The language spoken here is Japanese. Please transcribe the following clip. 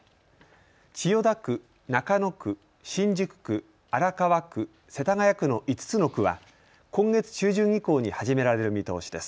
千代田区、中野区、新宿区、荒川区、世田谷区の５つの区は今月中旬以降に始められる見通しです。